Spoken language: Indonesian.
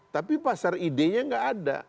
tapi pasar idenya gak ada